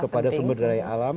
kepada sumber daya alam